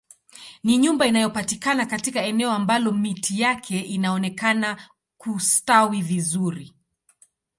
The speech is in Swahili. Ni nyumba inayopatikana katika eneo ambalo miti yake inaonekana kustawi vizuri